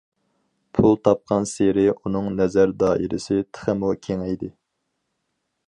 پۇل تاپقانسېرى ئۇنىڭ نەزەر دائىرىسى تېخىمۇ كېڭەيدى.